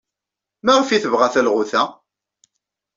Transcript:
Maɣef ay tebɣa talɣut-a?